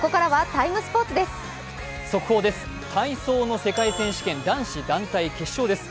体操の世界選手権、男子団体決勝です。